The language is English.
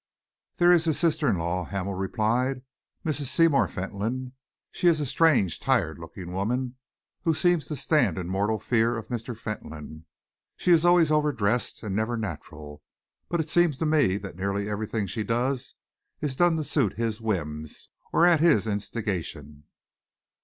"There is his sister in law," Hamel replied, "Mrs. Seymour Fentolin. She is a strange, tired looking woman who seems to stand in mortal fear of Mr. Fentolin. She is always overdressed and never natural, but it seems to me that nearly everything she does is done to suit his whims, or at his instigation."